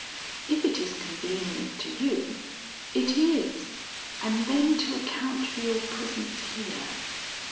"If it is convenient to you " "It is. And then to account for your presence here."